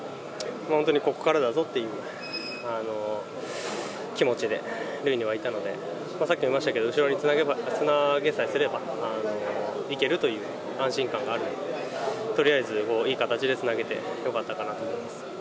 本当にここからだぞっていう気持ちで塁にはいたので、さっきも言いましたけど、後ろにつなげさえすればいけるという安心感があるので、とりあえずいい形でつなげてよかったかなと思います。